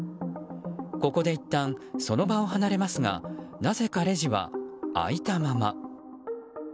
ここでいったん、その場を離れますがなぜかレジは開いたまま。